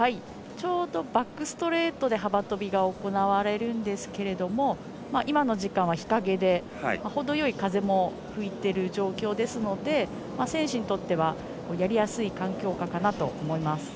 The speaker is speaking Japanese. ちょうどバックストレートで幅跳びが行われるんですけれども今の時間は日陰で程よい風も吹いている状況ですので選手にとってはやりやすい環境下かなと思います。